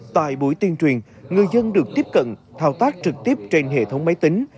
tại buổi tuyên truyền người dân được tiếp cận thao tác trực tiếp trên hệ thống máy tính